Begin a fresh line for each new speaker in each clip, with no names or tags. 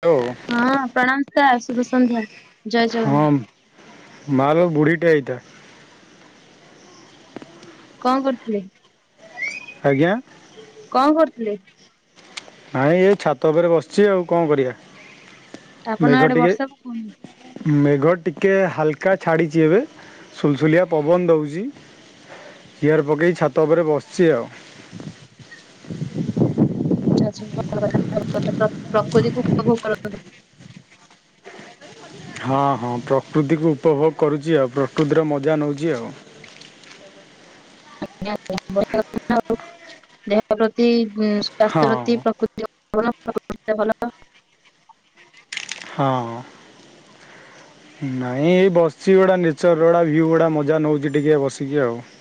Hello
ହଁ ପ୍ରଣାମ sir ଶୁଭ ସନ୍ଧ୍ୟା ଜୟ
ହଁ
ଜଗନ୍ନାଥ।
ମାଲୋ ବୁଢ଼ୀଟେ ହେଇଥା।
କଁ କରୁଥିଲେ।
ଆଜ୍ଞା।
କଣ କରୁଥିଲେ?
ନାଇଁ ଏ ଛାତ ଉପରେ ବସିଛି ଆଉ କଣ କରିବା
ଆପଣଙ୍କ
ମେଘ
ଆଡେ
ଟିକେ
ବର୍ଷା ପକଉନି?
ମେଘ ଟିକିଏ ହାଲକା ଛାଡ଼ିଛି ଏବେ ସୁଲସୁଲିଆ ପବନ ଦଉଛି। ଚିଆର ପକେଇକି ଛାତ ଉପରେ ବସିଛି ଆଉ।
ଆ ଆଚ୍ଛା ଭଲ କଥା କଥା ପ୍ରକୃତିକୁ ଉପଭୋଗ କରନ୍ତୁ।
ହଁ ହଁ ପ୍ରକୃତିକୁ ଉପଭୋଗ କରୁଛି ଆଉ ପ୍ରକୃତିର ମଜା ନଉଛି ଆଉ।
ଆଜ୍ଞା ଦେହ ପ୍ରତି ସ୍ଵାସ୍ଥ୍ୟ
ହଁ
ପ୍ରତି ପ୍ରକୃତି। ଭଲ।
ହଁ। ନାଇଁ ଏଇ ବସିଛି ଗୁଡ଼ା ନେଚର ଗୁଡ଼ା ଭିଉ ଗୁଡ଼ା ମଜା ନଉଛି ଟିକେ ବସିକି ଆଉ ୲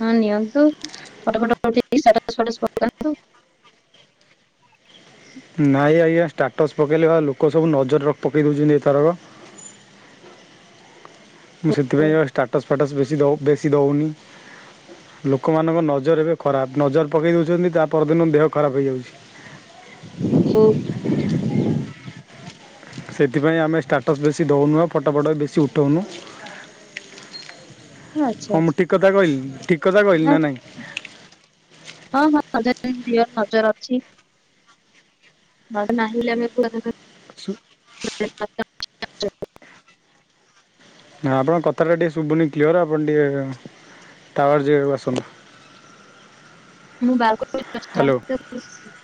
ହଁ ନିଅନ୍ତୁ ଫଟୋ ଫଟ ଉଠେଇକି ଷ୍ଟାଟସ୍ ଫାଟସ ପକୁଅନୁ।
ନାଇଁ ଆଜ୍ଞା ଷ୍ଟାଟସ୍ ପକେଇଲେ ବା ଲୋକ ସବୁ ନଜର ପକେଇ ଦେଉଛନ୍ତି ଏଥରକ। ମୁଁ ସେଥିପାଇଁ ଷ୍ଟାଟସ୍ ଫାଟସ୍ ବେଶୀ ବେଶୀ ଦଉନି। ଲୋକମାନଙ୍କ ନଜର ଏବେ ଖରାପ ନଜର ପକାଇ ଦଉଛନ୍ତି ତା ପରଦିନ ଦେହ ଖରାପ ହେଇଯାଉଛି।
ହୁଁ।
ସେଥିପାଇଁ ଆମେ ଷ୍ଟାଟସ୍ ବେଶୀ ଦେଉନୁ ଆ ଫଟୋ ଫଟ ବି ବେଶୀ ଉଠାଉନୁ।
ଆଚ୍ଛା
ହଁ ମୁଁ
ଆଚ୍ଛା
ଠିକ କଥା କହିଲି ଠିକ କଥା କହିଲି ନା ନାଇଁ?
ହଁ ହଁ ଜିବର ନଜର ଅଛି। ମ ନାହିଁ ବୋଲି ଆମେ
ସୁ
ହ୍ୟାଡ଼।
ନା ଆପଣଙ୍କ କଥାଟା ଟିକେ ଶୁଭୁନି କ୍ଲିଅର ଆପଣ ଟିକେ ଟାୱାର ଯାଗାକୁ ଆସନ୍ତୁ।
ମୁଁ ବାଲକୁନି
ହ୍ୟାଲୋ
[unintelligible]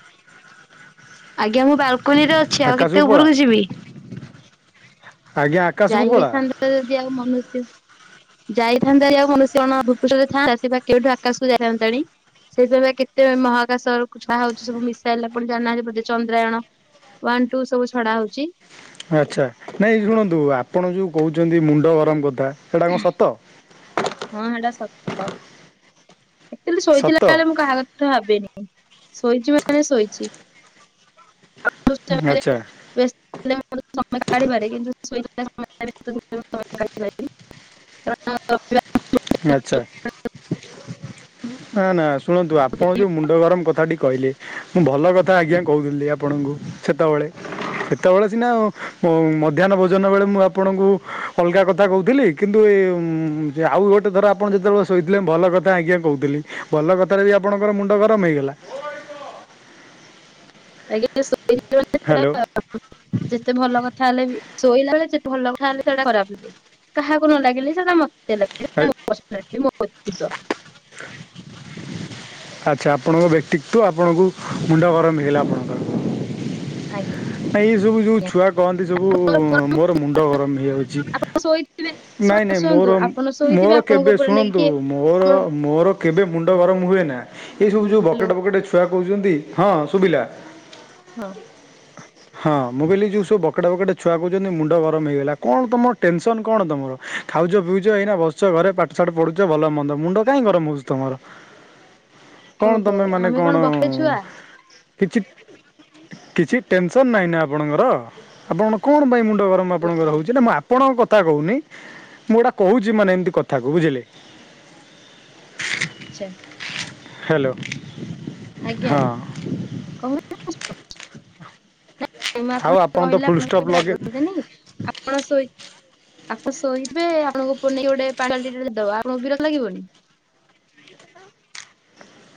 ଆଜ୍ଞା ମୁଁ ବାଲକୁନିରେ ଅଛି ଆଉ
ଆକାଶକୁ
କେତେ
ପଳା
ଉପରକୁ ଯିବି?
ଆଜ୍ଞା ଆକାଶକୁ ପଳା।
ତ ଯଦି ଆଉ ମନୁଷ୍ୟ ଯାଇଥାନ୍ତା ଆଉ କୌଣସି କଣ ଭୂ ପୃଷ୍ଠରେ ଥାନ୍ତା ସେ ପା କୋଉଠୁ ଆକାଶକୁ ଯାଇଥାନ୍ତାଣି। ସେଇଥିପାଇଁ ବା କେତେ ମହାକାଶ ଛଡା ହଉଛି ସବୁ ମିଶାଇଲେ ପୁଣି ଆପଣ ଜାଣିନାହାନ୍ତି ବୋଧେ ଚନ୍ଦ୍ରାୟଣ। ୱାନ୍ ଟୁ ସବୁ ଛଡା ହଉଛି।
ଆଚ୍ଛା ନାଇଁ ଶୁଣନ୍ତୁ ଆପଣ ଯୋଉ କହୁଛନ୍ତି ମୁଣ୍ଡ ଗରମ କଥା ସେଇଟା କଣ ସତ?
ହଁ ସେଟା ସତ ଆଚୁଅଲି
ସତ
ଶୋଇଥିଲା ବେଳେ ମୁଁ କାହା କ ତ ଭାବେନି ଶୋଇଛି ମାନେ ଶୋଇଛି। ସମୟ
ଆଚ୍ଛା
କାଢିପାରେ କିନ୍ତୁ ଶୋଇ ସମୟ କାଢିପାରେନି।
[inaudible]
କାରଣ
ଆଚ୍ଛା। ନା ନା ଶୁଣନ୍ତୁ ଆପଣ ଯୋଉ ମୁଣ୍ଡ ଗରମ କଥାଟି କହିଲେ। ମୁଁ ଭଲ କଥା ଆଜ୍ଞା କହୁଥିଲି ଆପଣଙ୍କୁ। ସେତବେଳେ। ସେତେବେଳେ ସିନା ଉଁ ମଧ୍ୟାହ୍ନ ଭୋଜନ ବେଳେ ମୁଁ ଆପଣଙ୍କୁ ଅଲଗା କଥା କହୁଥିଲି। କିନ୍ତୁ ଏ ଆଉ ଗୋଟେ ଥର ଆପଣ ଯେତେବେଳେ ଶୋଇଥିଲେ ଭଲ କଥା ଆଜ୍ଞା କହୁଥିଲି। ଭଲ କଥାରେ ବି ଆପଣଙ୍କର ମୁଣ୍ଡ ଗରମ ହେଇଗଲା।
ଆଜ୍ଞା
ହ୍ୟାଲୋ
[unintelligible] ଯେତେ ଭଲ କଥା ହେଲେ ବି ଶୋଇଲା ବେଳେ ଯେତେ ଭଲ କଥା ହେଲେ ସେଟା ଖରାପ ଲାଗେ। କାହାକୁ ନ ଲାଗିଲେ ସେଟା ମତେ ଲିଲ ମୋ ବ୍ୟତିତ।
[inaudible] ଆଚ୍ଛା ଆପଣଙ୍କ ବ୍ୟକ୍ତିତ୍ଵ ଆପଣଙ୍କୁ ମୁଣ୍ଡ ଗରମ ହେଲା
ଆଜ୍ଞା।
ଆପଣଙ୍କର। ଏଇ ସବୁ ଯୋଉ ଛୁଆ କହନ୍ତି ସବୁ ମୋର ମୁଣ୍ଡ ଗରମ ହେଇଯାଉଛି।
ଶୋଇଥିଲେ।
ନାଇଁ ନାଇଁ ମୋର ମୋର କେବେ
ଉପରେ ନେଇକି
ଶୁଣନ୍ତୁ
କିଏ
ମୋର
କଣ
ମୋର। କେବେ ମୁଣ୍ଡ ଗରମ ହୁଏ ନା ଏଇସବୁ ଯେଉଁ
ହ୍ୟାଲୋ
ବକେଟ ବକେଟ ଛୁଆ କହୁଛନ୍ତି ହଁ ଶୁଭିଲା।
ହଁ।
ହଁ ମୁଁ କହିଲି ଯଉବୁ ବକେ ବକେଡେ ଛୁଆ କହୁଛନ୍ତି ମୁଣ୍ଡ ଗରମ ହେଇଗଲା କଣ ତମର ଟେନସନ କଣ ତମର। ଖାଉଛ ପିଉଛ ଏଇନା ବସଛ ଘରେ ପାଠଶାଠ ପଢୁଛ ଭଲ ମନ୍ଦ ମୁଣ୍ଡ କାାଇଁ ଗରମ ହଉଛି ତମର। କଣ
ଓହୋ
ତମେ ମାନେ
ଆମେ
କଣ?
ବକେଟେ ଛୁଆ
କିଛି କିଛି ଟେନସ ନାହିଁ ଆପଣଙ୍କର। ଆପଣ କଣ ପାଇଁ ମୁ ଗରମ ଆପଣଙ୍କର
ଓହୋ
ରହୁଛି ନା। ମୁଁ ଆପଣଙ୍କ କ କଥା କହୁନି ମୁଁ ହେଟା କହୁଛି ମାନେ ଏମତି କଥାକୁ ବୁଝିଲେ।
ଆଛା।
ହାଲୋ।
ଆଜ୍ଞା କହୁନ ମୁଁ
ଆଉ
ଆପଣ
ତ
କହିଲେ
ଫୁଲ
ଆପଣ
ଷ୍ଟପ୍
କେବେ
ଲଗେ
ରାଗନ୍ତିନି। ଆପଣ ସୋଇ ଆପଣ ସୋଇଥିବେ ଆପଣଙ୍କ ଉପ ନେଇ ଗୋଟେ ବା ଆପଣଙ୍କୁ ବିରକ୍ତ ଲାଗିବନି।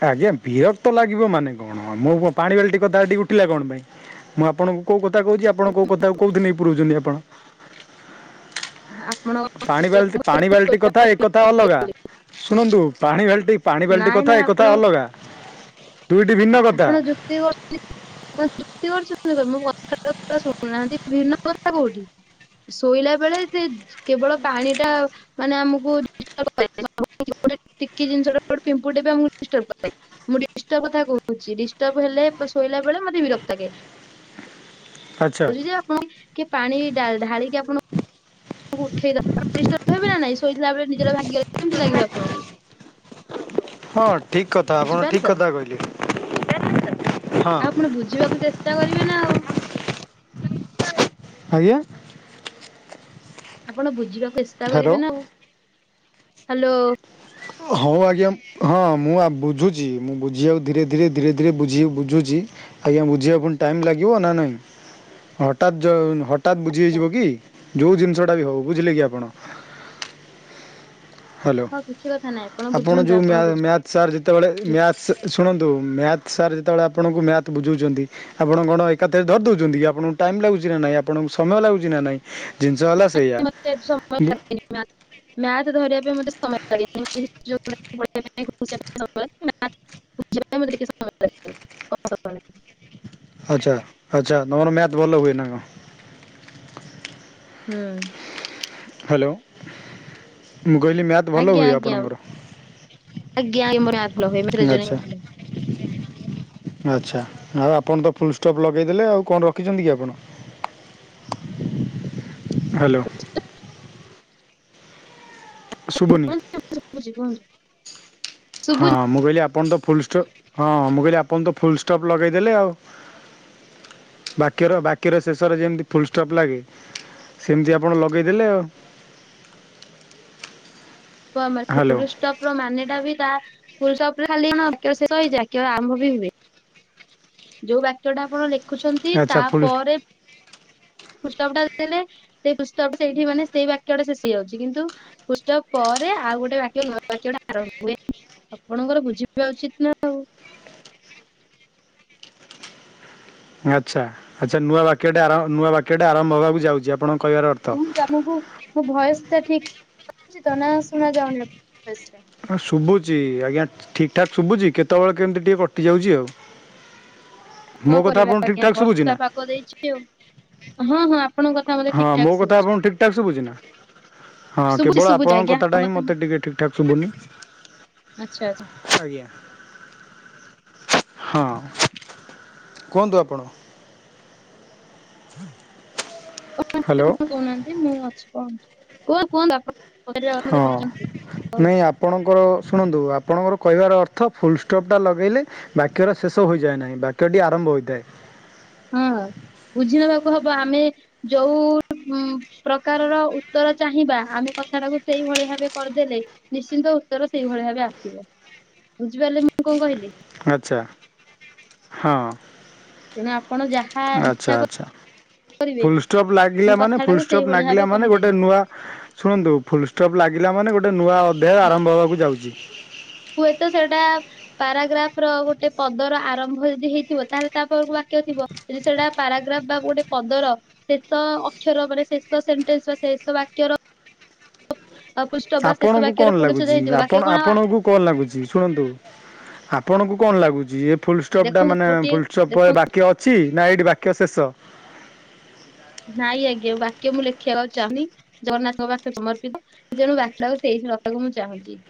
ଆଜ୍ଞା ବିରକ୍ତ ଲାଗିବ ମାନେ କଣ? ମୁ କଣ ପାଣି ବାଲ୍ଟି କଥା ଏଠି ଉଠିଲା କଣ ପାଇଁ। ମୁଁ ଆପଣଙ୍କୁ କୋଉ କଥା କହୁଛି ଆପଣ କେଉଁ କଥାକୁ କୋଉଠି ନେଇ ପୁରଉଛନ୍ତି। ଆପଣ
ଆପଣ
ପାଣି ବାଲ୍ଟି ପାଣି ବାଲ୍ଟି କଥା ଏକଥା ଅଲଗା। ଶୁଣନ୍ତୁ ପାଣି ବାଲଟି ପାଣି ବାଲ୍ଟି
ନାଇଁ
କଥା
ନାଇଁ ଆପଣ
ଏକଥା ଅଲଗା। ଦୁଇଟି ଭିନ୍ନ କଥା।
[unintelligible] [unintelligible] କଥାଟା ପୁରା ଶୁଣୁନାହାନ୍ତି ଭିନ୍ନ କଥା କୋଉଠି। ଶୋଇଲା ବେଳେ ଯେ କେବଳ ପାଣି ଟା ମାନେ ଆମକୁ [unintelligible] ମୁଁ ଡିଷ୍ଟର୍ବ କଥା କହୁଛି ଡିଷ୍ଟର୍ବ ହେଲେ ଶୋଇଲା ବେଳେ ମତେ ବିରକ୍ତ୍ ଲାଗେ।
ଆଚ୍ଛା
ବ ଯେ ଆପଣ କି ପାଣି ଢାଳିକି ଆପଣ ଉଠେଇ ହେ ନା ନାଇଁ ଶୋଇଥିଲା ବେଳେ ନିଦ ଟା ଭାଙ୍ଗିଗଲେ କେମିତି ଲାଗିବ ଆପଣଙ୍କୁ।
ହଁ। ଠିକ୍ କଥା ଆପଣ
ବୁଝିପାରିଲେ
ଠିକ୍
ତ
କଥା କହିଲେ ହଁ।
ଆ ବୁଝିବାକୁ ଚେ ଷ୍ଟା କରିବେ ନା ଆଉ।
ଆଜ୍ଞା।
ଆପଣ ବୁଝିବାକୁ ଚେଷ୍ଟା
ହ୍ୟାଲୋ।
କରିବେ ନା ଆଉ। ହାଲୋ।
ହଉ ଆଜ୍ଞା ହଁ ମୁଁ ଆ ବୁଝୁଛି ମୁଁ ବୁଝିବାକୁ ଧୀରେ ଧୀରେ ଧୀରେ ଧୀରେ ବୁଝି- ବୁଝୁଛି। ଆଜ୍ଞା ବୁଝିବା ପୁଣି ଟାଇମ୍ ଲାଗିବ ନା ନାଇଁ ହଠାତ୍ ଯୋଉ ହଟା ହଠାତ୍ ବୁଝି
ଆଚ୍ଛା
ହେଇଯିବ କି? ଯୋଉ ଜିନିଷଟା ବି ହଉ ବୁଝିଲେ କି ଆପଣ। ହାଲୋ
ହଁ କିଛି କଥା ନାହିଁ
ଆପଣ
ବୁଝନ୍ତୁ
ଯେଉଁ
ବୁଝ
ମ୍ୟାଥ୍ ସାର୍ ଯେତେବେଳେ ମ୍ୟାଥ୍ସ୍ ଶୁଣନ୍ତୁ ମ୍ୟାଥ ସାର୍ ଯେତେବେଳେ ଆପଣଙ୍କୁ ମ୍ୟାଥ୍ ବୁଝଉଛନ୍ତି ଆପଣ କଣ ଏକାଥରେ ଧରି ଦଉଛନ୍ତି କି ଆପଣଙ୍କୁ ଟାଇମ ଲାଗୁଛି ନା ନାଇଁ ଆପଣଙ୍କୁ ସମୟ ଲାଗୁଛି ନା ନାଇଁ। ଜିନିଷ ହେଲା ସେଇଆ ବୁ
ମ୍ଯା ମ୍ୟାଥ ଧରିବା ପାଇଁ ମତେ ସମୟ ଲାଗେନି [unintelligible] [unintelligible]
ଆଚ୍ଛା ଆଚ୍ଛା ତମର ମ୍ୟାଥ ଭଲ ହୁଏ ନା କ
ହୁଁ।
ହାଲୋ ମୁଁ କହିଲି ମ୍ୟା ଭଲ
ଆଜ୍ଞା
ହୁଏ
ଆଜ୍ଞା
ଆପଣଙ୍କର
ଆଜ୍ଞା ଆଜ୍ଞା ମୋର ମ୍ୟାଥ୍ ଭଲ ହୁଏ ମ୍ୟାଥ୍ ରିଜୋନିଂ
ଆଛା।
ଭଲ ହୁଏ।
ଆଚ୍ଛା ଆଉ ଆପଣ ତ ଫୁଲ ଷ୍ଟପ୍ ଲଗେଇଦେଲେ। ଆଉ କଣ ରଖିଛନ୍ତି କି ଆପଣ? ହାଲୋ। ଶୁବୁନି।
ଶୁବୁଛି କହନ୍ତୁ।
ହଁ ମୁଁ କହିଲି ଆପଣ ତ ଫୁଲଷ୍ଟପ୍ ହଁ ମୁଁ କହିଲି ଆପଣ ତ ଫୁଲ ଷ୍ଟପ୍ ଲଗେଇଦେଲେ ଆଉ। ବାକିଅ ର ବାକିଅର ଶେଷରେ ଯେମତି ଫୁଲଷ୍ଟପ୍ ଲାଗେ ସେମିତି ଆପଣ ଲଗେଇଦେଲେ ଆଉ।
ତ ଆମାର
ହ୍ୟାଲୋ
ପରୁଷ। [unintelligible] ଯୋଉ ବାକ୍ୟ ଟା ଆପଣ ଲେଖୁଛନ୍ତି
ଆଚ୍ଛା
ତାପରେ
[inaudible]
ଫୁଲ୍ ଷ୍ଟପ ଟା ଦେଲେ ସେଇ ଫୁଲ୍ ଷ୍ଟପ ଟା ସେଇଠି ମାନେ ସେଇ ବାକ୍ୟଟା ଶେଷ ହେଇଯାଉଛି କିନ୍ତୁ ଫୁଲ୍ ଷ୍ଟପ ପରେ ଆଉ ଗୋଟେ ବାକ୍ୟ ନୂଆ ବାକ୍ୟଟା ଆରମ୍ଭ ହୁଏ ଆପଣଙ୍କର ବୁଝିବା ଉଚିତ ନା ଆଉ।
ଆଚ୍ଛା ଆଚ୍ଛା ନୂଆ ବାକ୍ୟଟେ ଆର ନୂଆ ବାକ୍ୟଟେ ଆରମ୍ଭ ହେବାକୁ ଯାଉଛି ଆପଣଙ୍କ କହିବାର ଅର୍ଥ
ହଁ ତମକୁ ମୋ ଭଏସ ଟା ଠିକ ଯାଉଛି ତ ନା ଶୁଣା ଯାଉନି ଭଏସ ଟା?
ହଁ ଶୁଭୁଛି ଆଜ୍ଞା ଠିକ୍ ଠାକ୍ ଶୁଭୁଛି କେତେବେଳେ କେମିତି ଟିକେ କଟିଯାଉଚି ଆଉ।
କଣ
ମୋ କଥା
କରିବା
ଆପଣଙ୍କୁ ଠିକ
ଆଜ୍ଞା
ଠାକ୍ ସୁବୁଛି
ବର୍ଷା
ନା?
ପାଗ ଦେଇଛି ଆଉ ହଁ ହଁ ଆପଣଙ୍କ କଥା ମତେ
ହଁ
ଠିକ ଠାକ
ମୋ କଥା
ଶୁଭୁଛି
ଆପଣଙ୍କୁ ଠିକ୍ ଠାକ୍ ଶୁବୁଛି ନା? ହଁ
ଶୁଭୁଛି
କେବଳ
ଶୁଭୁଛି
ଆପଣଙ୍କ
ଆଜ୍ଞା
କଥାଟା ହିଁ
କଥା
ମୋତେ ଟିକେ ଠିକ୍ ଠାକ୍ ଶୁଭୁନି।
ଆଚ୍ଛା ଆଚ୍ଛା।
ଆଜ୍ଞା ହଁ କୁହନ୍ତୁ ଆପଣ। [inaudible] ହ୍ୟାଲୋ
[unintelligible] କହୁନାହାନ୍ତି ମୁଁ ଅଛି କୁହନ୍ତୁ କୁହନ୍ତୁ କୁହନ୍ତୁ ଆପଣ
ହଁ ନାଇଁ
[unintelligible]
ଆପଣଙ୍କର ଶୁଣନ୍ତୁ ଆପଣଙ୍କର କହିବାର ଅର୍ଥ ଫୁଲ ଷ୍ଟପ୍ ଟା ଲଗେଇଲେ ବାକ୍ୟର ଶେଷ ହୋଇଯାଏ ନାହିଁ ବାକ୍ୟଟି ଆରମ୍ଭ ହୋଇଥାଏ।
ହଁ ବୁଝି ନବାକୁ ହବ ଆମେ ଯୋଉ ଉଁ ପ୍ରକାରର ଉତ୍ତର ଚାହିଁବା ଆମେ କଥାଟାକୁ ସେଇଭଳି ଭାବେ କରିଦେଲେ। ନିଶ୍ଚିନ୍ତ ଉତ୍ତର ସେଇଭଳି ଭାବେ ଆସିବ ବୁଝିପାରିଲେ ମୁଁ କଣ କହିଲି?
ଆଚ୍ଛା ହଁ।
ତେଣୁ ଆପଣ ଯାହା
ଆଚ୍ଛା
ଇଚ୍ଛା କର
ଆଚ୍ଛା ଫୁଲ୍ ଷ୍ଟପ୍ ଲାଗିଲା ମାନେ ଫୁଲ୍
କଥାଟାକୁ
ଷ୍ଟପ୍
ସେଇଭଳି
ଲାଗିଲା
ଭାବେ
ମାନେ ଗୋଟେ
କହିଦେବି।
ନୂଆ ଶୁଣନ୍ତୁ ଫୁଲ୍ ଷ୍ଟପ୍ ଲାଗିଲା ମାନେ ଗୋଟେ ନୂଆ ଅଧ୍ୟାୟ ଆରମ୍ଭ ହେବାକୁ ଯାଉଛି।
ହୁଏତ ସେଇଟା ପାରାଗ୍ରାଫ୍ ର ଗୋଟେ ପଦର ଆରମ୍ଭ ଯଦି ହେଇଥିବ ତାହେଲେ ତାପରକୁ ବାକ୍ୟ ଥିବ। ଯଦି ସେଟା ପାରାଗ୍ରାଫ ବା ଗୋଟେ ପଦର ଶେଷ ଅକ୍ଷର ମାନେ ଶେଷ ସେଣ୍ଟେନ୍ସ ବା ଶେଷ ବାକ୍ୟର ଆଉ [unintelligible]
ଆପଣଙ୍କୁ କଣ ଲାଗୁଛି ଆପଣ ଆପଣଙ୍କୁ କଣ ଲାଗୁଛି ଶୁଣନ୍ତୁ ଆପଣଙ୍କୁ କଣ ଲାଗୁଛି ଏ ଫୁଲଷ୍ଟପ୍ ଟା
ଦେଖନ୍ତୁ
ମାନେ
ଗୋଟିଏ
ଫୁଲଷ୍ଟପ୍ ପରେ
ଦେଖନ୍ତୁ
ବାକ୍ୟ ଅଛି ନା ଏଇଠ ବାକ୍ୟ ଶେଷ।
ନାଇଁ ଆଜ୍ଞା ବାକ୍ୟ ମୁଁ ଲେଖିବାକୁ ଆଉ ଚାହୁଁନି। ଜଗନ୍ନାଥଙ୍କ ପାଖରେ ସମର୍ପିତ ଜେଣୁ ବାଖ୍ୟା କୁ ସେଇଠି ରଖିବାକୁ ମୁଁ ଚାହୁଁଛି।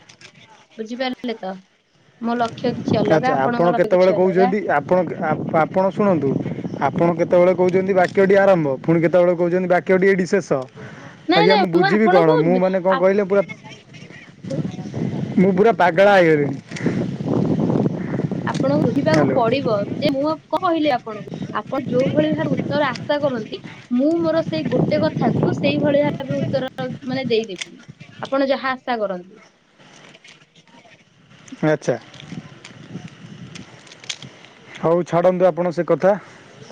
ବୁଝିପାରିଲେ ତ ମୋ ଲକ୍ଷ୍ୟ କିଛି
ଆଚ୍ଛା
ଅଲଗା
ଆପଣ
ଆପଣଙ୍କ ଲକ୍ଷ୍ୟ
କେତେବେଳେ
କିଛି ଅଲଗା।
କହୁଛନ୍ତି ଆପଣ ଆପଣ ଶୁଣନ୍ତୁ ଆପଣ କେତେବେଳେ କହୁଛନ୍ତି ବାକ୍ୟଟି ଆରମ୍ଭ ପୁଣି କେତେବେଳେ କହୁଛନ୍ତି ବାକ୍ୟ ଟି ଏଇଠି ଶେଷ
ନାଇଁ
ଆଜ୍ଞା
ନାଇଁ
ମୁଁ ବୁଝିବି କଣ
ଆପଣଙ୍କୁ
ମୁଁ ମାନେ କଣ
ଆ
କହିଲେ ପୁରା ମୁ ପୁରା ପାଗେଳା ହେଇଗଲିଣି।
ଆପଣଙ୍କୁ ବୁଝିବାକୁ
ହ୍ୟାଲୋ
ପଡ଼ିବ ଯେ ମୁଁ କଣ କହିଲି ଆପଣଙ୍କୁ ଆପଣ ଯୋଉ ଭଳି ଭାବେ ଉତ୍ତର ଆ ସା କରନ୍ତି ମୁଁ ମୋର ସେଇ ଗୋଟେ କଥାକୁ ସେଇଭଳି ଭାବେ ଉତ୍ତର ମାନେ ଦେଇଦେବି‌। ଆପଣ ଯାହା ଆଶା କରନ୍ତି‌।
ଆଚ୍ଛା। ହଉ ଛାଡ଼ନ୍ତୁ ଆପଣ ସେ କଥା।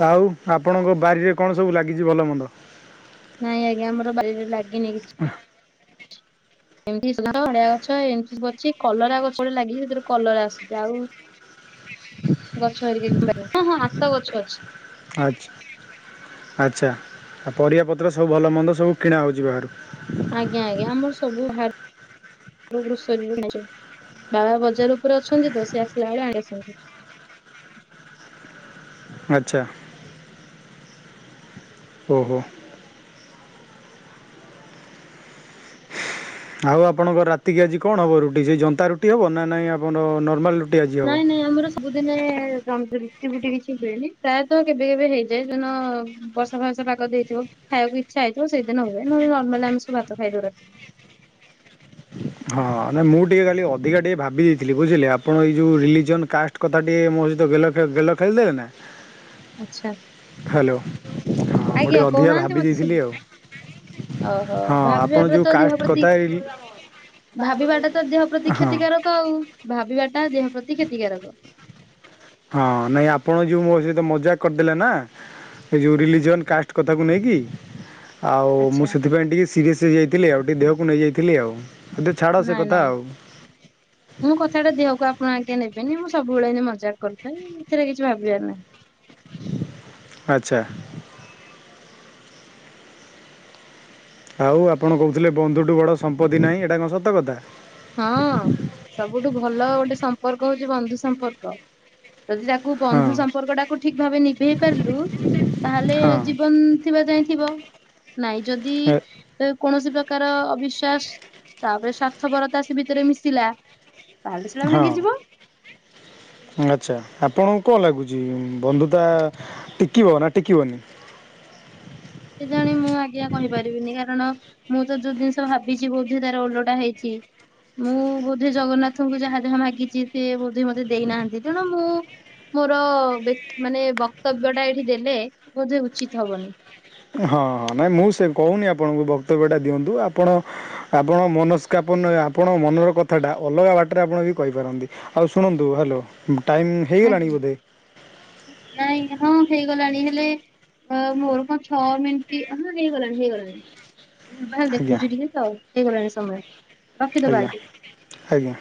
ଆଉ ଆପଣଙ୍କ ବାରିରେ କଣ ସବୁ ଲାଗିଛି ଭଲ ମନ୍ଦ?
ନାଇଁ ଆଜ୍ଞା ଆମର ବାରିରେ ଲାଗିନି କିଛି। ଏମିତି [unintelligible] ଗଛ ଏମିତି ସବୁ ଅଛି କଲରା ଗଛ ଗୋଟେ ଲାଗିଛି ସେଥିରେ କଲରା ଆସୁଛି ଆଉ ଗଛ ହେରିକା [unintelligible] ହଁ ହଁ ଆତା ଗଛ ଅଛି।
ଆଛା। ଆଛା, ଆଉ ପରିବାପତ୍ର ସବୁ ଭଲ ମନ୍ଦ ସବୁ କିଣା ହେଉଚି ବାହାରୁ।
ଆଜ୍ଞା ଆଜ୍ଞା ଆମର ସବୁ ଗ୍ରୋସରି ବାବା ବଜାର ଉପରେ ଅଛନ୍ତି ତ ସେ ଆସିଲା ବେଳେ ଆଣି ଆସନ୍ତି।
ଆଛା। ଓହୋ ଆଉ ଆପଣଙ୍କ ରାତିକି ଆଜି କଣ ହେବ? ରୁଟି ସେ ଜନ୍ତା ରୁଟି ହେବ ନା ନାହିଁ ଆପଣର ନର୍ମାଲ ରୁ
ନାଇଁ ନାଇଁ ଆମର ସବୁଦିନେ ରୁଟି ବୁଟି କିଛି ହୁଏନି, ପ୍ରାୟତଃ କେବେ କେବେ ହେଇଯାଏ ଯ ବର୍ଷ ଫାସ ପାଗ ଦେଇଥିବ କି ଖବାକୁ ଇଛା ହେଇଥିବ, ସେଇଦିନ ହୁଏ ନହଲେ ନର୍ମାଲ ସବୁ ଭାତ ଖାଇଦଉ ରାତିରେ।
ହଁ ନାଇଁ ମୁଁ ଟିକେ ଖାଲି ଅଧିକା ଟିକେ ଭାବି ଦେଇଥିଲି ବୁଝିଲେ ଆପଣ ଏଇ ଯୋଉ ରିଲିଜନ କାଷ୍ଟ କଥାଟି ମୋ ସହିତ ଗେଲ ଗେଲ ଖେଲି ଦେଲନା
ଆଛା
ହଁ ମୁଁ
ଆଜ୍ଞା
ଟିକେ ଅଧିକା
କହୁନାହାନ୍ତି
ଭାବି
ମତେ
ଦେଇଥିଲି
ସବୁ
ଆଉ
ଓହୋ
ହଁ ଆପଣ
ଭାବିବାଟା
ଯେଉଁ
ତ ଦେହ
କାଷ୍ଟ
ପ୍ରତି
କଥା
ଭାବିବାଟା ତ ଦେହ ପ୍ରତି
ହଁ
କ୍ଷତିକାରକ ଆଉ, ଭାବିବାଟା ଦେହ ପ୍ରତି କ୍ଷତିକାରକ।
ହଁ ନାଇଁ ଆପଣ ଯେଉଁ ମୋ ସହିତ ମଜାକ କରିଥିଲେ ନାଁ ଏ ଯେଉଁ ରିଲିଜିନ୍ କାଷ୍ଟ କଥାକୁ ନେଇକି ଆଉ ମୁଁ
ଆଚ୍ଛା।
ସେଥିପାଇଁ ଟିକେ ସିରିଏସ୍ ହେଇଯାଇଥିଲି ଆଉ ଟିକେ ଦେହକୁ ନେଇଯାଇଥିଲି ଆଉ ଏବେ ଛାଡ଼ ସେ
ନାଇଁ
କଥା
ନାଇଁ
ଆଉ [inaudible]
ମୁଁ କଥାଟା ଦେହକୁ ଆପଣ ଆଜ୍ଞା ନେବେନି ମୁଁ ସବୁବେଳେ ହିନି ମଜା କରିଥାଏ ମୁ ଏଥିରେ କିଛି ଭାବିବାର ନାହିଁ।
ଆଛା ଆଉ ଆପଣ କହୁଥିଲେ ବନ୍ଧୁଠୁ ବଡ ସମ୍ପତ୍ତି ନାହିଁ, ଏଇଟା କଣ ସତ କଥା।
ହଁ ସବୁଠୁ ଭଲ ଗୋଟେ ସମ୍ପର୍କ ହଉଛି ବନ୍ଧୁ ସମ୍ପର୍କ। ଯଦି ତାକୁ ବନ୍ଧୁ
ହଁ
ସମ୍ପର୍କ ଟାକୁ ଠିକ ଭାବେ ନିଭେଇ ପାରିଲୁ ତାହେଲେ
ହଁ
ଜୀବନ ଥିବା ଯାଇଥିବ ନାଇଁ ଯଦି
ଏ
ତ କୌଣସି ପ୍ରକାର ଅବିଶ୍ଵାସ, ତାପରେ ସ୍ୱାର୍ଥପରତା ସେ ଭିତରେ ମିଶିଲା ତାହେଲେ ସେଟା
ହଁ ଅ
ଭାଙ୍ଗିଯିବ
ଆଛା ଆପଣଙ୍କୁ କଣ ଲାଗୁଛି ବନ୍ଧୁତା ଟିକିବ ନା ଟିକିବନି
କେଜାଣି, ମୁଁ ଆଜ୍ଞା କହିପାରିବିନି କାରଣ ମୁଁ ତ ଯୋଉ ଜିନିଷ ଭାବିଛି ବୋଧେ, ତାର ଓଲଟା ହେଇଛି। ମୁଁ ବୋଧେ ଜଗନ୍ନାଥଙ୍କୁ ଯାହା ଯାହା ମାଗିଛି ସେ ବୋଧେ ମୋତେ ଦେଇନାହାନ୍ତି ତେଣୁ ମୁଁ ମୋର ବେ ମାନେ ବକ୍ତବ୍ୟ ଟା ଏଇଠି ଦେଲେ ବୋଧେ ଉଚିତ ହବନି।
ହଁ ହଁ ନାଇଁ ମୁଁ ସେ କହୁନି ଆପଣଙ୍କୁ ବକ୍ତବ୍ୟଟା ଦିଅନ୍ତୁ ଆପଣ ଆପଣ ମନସ୍କାପନ ଆପଣ ମନର କଥା ଟା ଅଲଗା ବାଟରେ ଆପଣ ବି କହିପାରନ୍ତି ଆଉ ଶୁଣନ୍ତୁ ହାଲୋ ଟାଇମ୍ ହେଇଗଲାଣି
ଆଜ୍ଞା,
ବୋଧେ
ନାଇଁ ହଁ ହେଇଗଲାଣି ହେଲେ ହ ମୋର କଣ ଛଅ ମିନିଟ୍ ହଁ ହେଇଗଲାଣି ହେଇଗଲାଣି। ଭୁଲ ଭଲ
ଆଜ୍ଞା
ଦେଖୁଚି ଟିକ ତ ହେଇଗଲାଣି ସମୟ।
ଆଜ୍ଞା ଆଜ୍ଞା।